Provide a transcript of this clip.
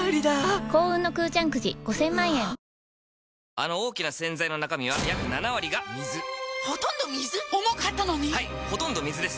あの大きな洗剤の中身は約７割が水ほとんど水⁉重かったのに⁉はいほとんど水です